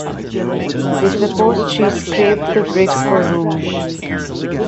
They supposed she scraped the bricks for rouge.